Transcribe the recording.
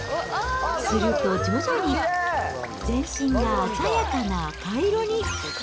すると徐々に全身が鮮やかな赤色に。